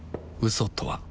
嘘とは